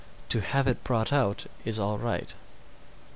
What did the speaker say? To have it brought out is all right.